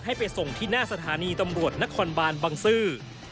ไปส่งที่หน้าสถานีตำรวจนครบานบังซื้อ